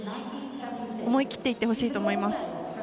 思い切っていってほしいと思います。